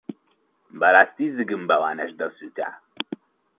بەڕاستی زگم بەوانەش دەسووتا.